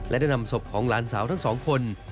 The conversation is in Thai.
และนำสบของล้านสาวทั้งสองคน